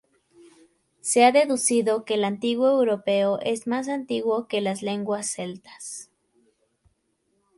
Se ha deducido que el antiguo europeo es más antiguo que las lenguas celtas.